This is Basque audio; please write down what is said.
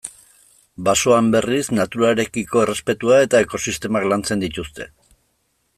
Basoan, berriz, naturarekiko errespetua eta ekosistemak lantzen dituzte.